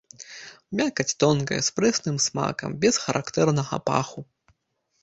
Мякаць тонкая, з прэсным смакам, без характэрнага паху.